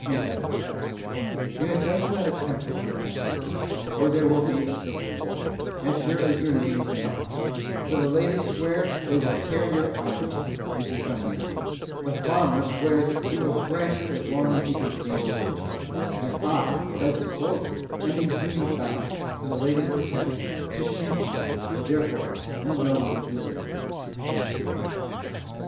P.S. You had best not attempt to come after us, or there will be a civil war, as sure as your name's March; for the Ladies swear they will tear your eyes out, if you come near them,; the Farmer swears he will thrash you as long as he can stand over you; and I (as a Soldier) am in duty bound, for the Ladies' protection, to shoot you therefore you know your doom. G. H.